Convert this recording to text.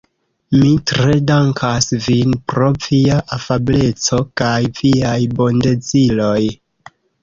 Mi tre dankas vin pro via afableco kaj viaj bondeziroj.